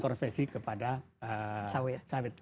konversi kepada sawit